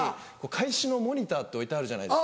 返しのモニターって置いてあるじゃないですか。